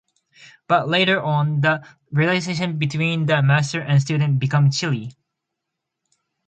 But later on, the relationship between the master and student became chilly.